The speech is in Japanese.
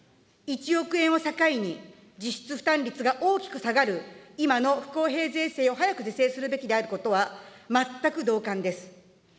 １億円を境に、実質負担率が大きく下がる今の不公平税制を早く是正すべきであることは、全く同感です。